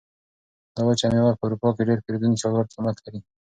دا وچه مېوه په اروپا کې ډېر پېرودونکي او لوړ قیمت لري.